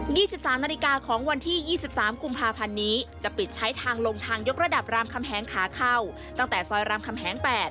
๒๓นาฬิกาของวันที่๒๓กุมภาพันธุ์นี้จะปิดใช้ทางลงทางยกระดับรามคำแหงขาเข้าตั้งแต่ซอยรามคำแหง๘